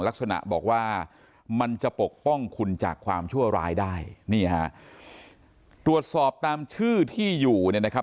ลักษณะบอกว่ามันจะปกป้องคุณจากความชั่วร้ายได้นี่ฮะตรวจสอบตามชื่อที่อยู่เนี่ยนะครับ